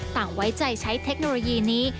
ไว้ใจใช้เทคโนโลยีนี้